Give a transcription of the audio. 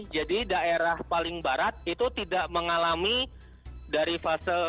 jadi daerah paling barat itu tidak mengalami dari fase